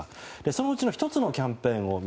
そのうちの１つのキャンペーン。